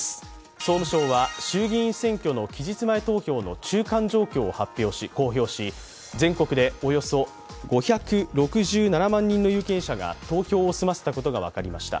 総務省は衆議院選挙の期日前投票の中間状況を公表し、全国でおよそ５６７万人の有権者が投票を済ませたことが分かりました。